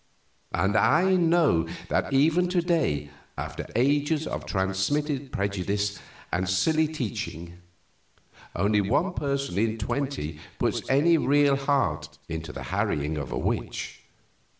And I know that even to day, after ages of transmitted prejudice and silly teaching, only one person in twenty puts any real heart into the harrying of a witch.